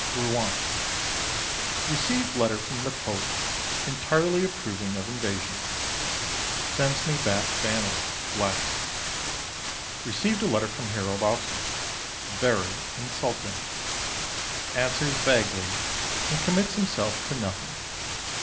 Rouen. Received letter from the Pope entirely approving of invasion. Sends me back banner, blessed. Received a letter from Harold also. Very insulting. Answers vaguely and commits himself to nothing.